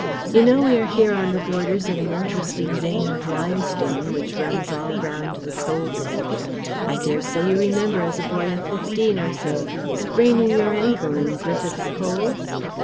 You know we are here on the borders of an interesting vein of limestone which runs all round the coal beds. I dare say you remember as a boy of fifteen or so spraining your ankle in Griffith's Hole?